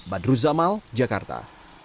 badru zamal jakarta